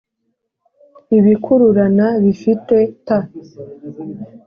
ibikururana bifite T